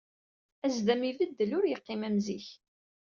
Azdam ibeddel ur yeqqim am zik.